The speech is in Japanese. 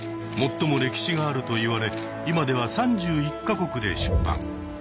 最も歴史があるといわれ今では３１か国で出版。